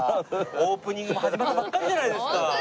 オープニング始まったばっかりじゃないですか。